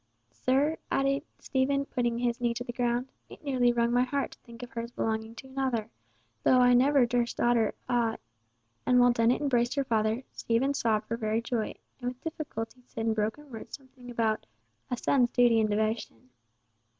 "Sir," added Stephen, putting his knee to the ground, "it nearly wrung my heart to think of her as belonging to another, though I never durst utter aught"—and while Dennet embraced her father, Stephen sobbed for very joy, and with difficulty said in broken words something about a "son's duty and devotion."